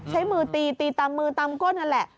ใช้มือตีตีตามมือตามก้นนั่นแหละ